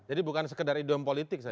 jadi bukan sekedar idom politik saja